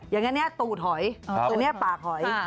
อย่างงี้ตูดหอยปากหอย